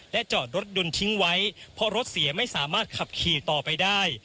จอดรถยนต์ทิ้งไว้เพราะรถเสียไม่สามารถขับขี่ต่อไปได้